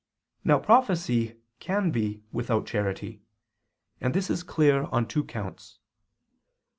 Now prophecy can be without charity; and this is clear on two counts.